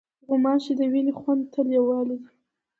غوماشې د وینې خوند ته لیوالې وي.